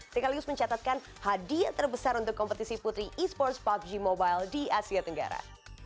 tengah lius mencatatkan hadiah terbesar untuk kompetisi putri esports pubg mobile di asia tenggara